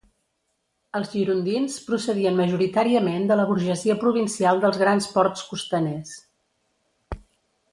Els girondins procedien majoritàriament de la burgesia provincial dels grans ports costaners.